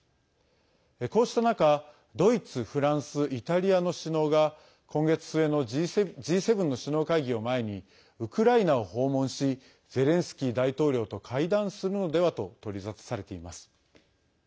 こうした中、ドイツフランス、イタリアの首脳が今月末のＧ７の首脳会議を前にウクライナを訪問しゼレンスキー大統領と会談するのではと取り沙汰されています。